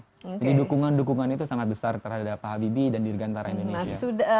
jadi dukungan dukungan itu sangat besar terhadap pak habibie dan dirgantara indonesia